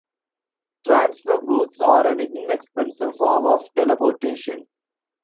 Transfer booths are an inexpensive form of teleportation.